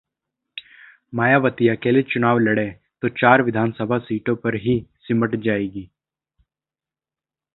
मायावती अकेले चुनाव लड़ें तो चार विधानसभा सीटों पर ही सिमट जाएंगी